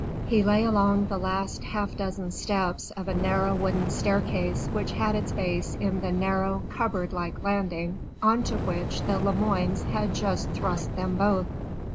He lay along the last half dozen steps of a narrow wooden staircase which had its base in the narrow, cupboard like landing on to which the Lemoines had just thrust them both.